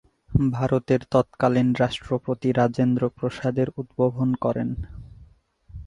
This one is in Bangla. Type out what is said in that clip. ভারতের তৎকালীন রাষ্ট্রপতি রাজেন্দ্র প্রসাদ এর উদ্বোধন করেন।